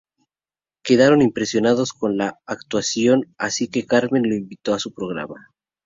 Quedaron impresionados con la actuación, así que Carmen lo invitó a su programa.